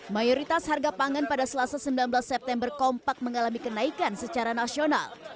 mayoritas harga pangan pada selasa sembilan belas september kompak mengalami kenaikan secara nasional